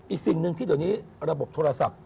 อีกสิ่งหนึ่งที่เดี๋ยวนี้ระบบโทรศัพท์